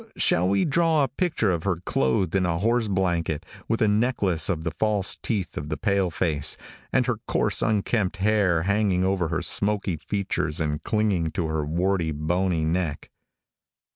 Shall we draw a picture of her clothed in a horse blanket, with a necklace of the false teeth of the pale face, and her coarse unkempt hair hanging over her smoky features and clinging to her warty, bony neck?